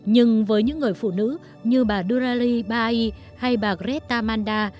nhưng với những người phụ nữ như bà durali bai hay bà greta manda